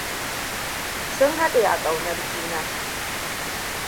Sun haɗe a ƙaunar juna.